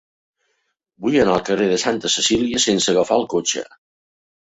Vull anar al carrer de Santa Cecília sense agafar el cotxe.